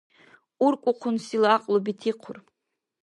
УркӀухъунсила гӀякьлу бетихъур.